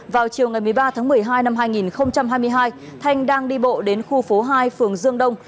vào chiều ngày một mươi ba tháng một mươi hai năm hai nghìn hai mươi hai thanh đang đi bộ đến khu phố hai phường dương đông